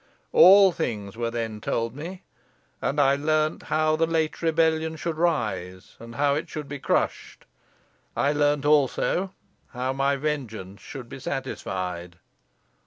All things were then told me, and I learnt how the late rebellion should rise, and how it should be crushed. I learnt also how my vengeance should be satisfied."